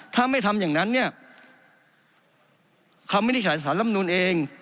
ถ้าไม่ทำอย่างนั้นเนี่ยคำวินิจฉัยสารลำนูนเอง